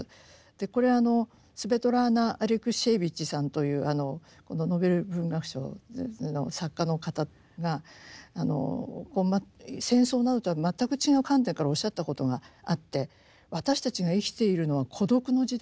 これスヴェトラーナ・アレクシエーヴィチさんというノーベル文学賞の作家の方が戦争などとは全く違う観点からおっしゃったことがあって私たちが生きているのは孤独の時代だと。